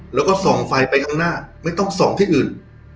แล้วก็ส่องไฟไปข้างหน้าไม่ต้องส่องที่อื่น